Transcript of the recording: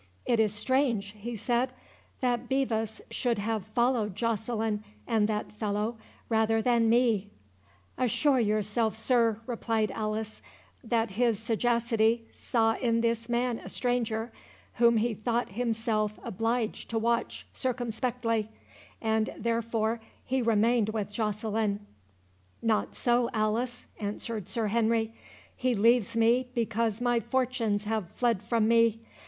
"It is strange," he said, "that Bevis should have followed Joceline and that fellow rather than me." "Assure yourself, sir," replied Alice, "that his sagacity saw in this man a stranger, whom he thought himself obliged to watch circumspectly, and therefore he remained with Joceline." "Not so, Alice," answered Sir Henry; "he leaves me because my fortunes have fled from me.